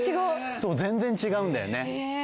そう全然違うんだよね。